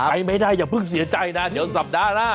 ไปไม่ได้อย่าเพิ่งเสียใจนะเดี๋ยวสัปดาห์หน้า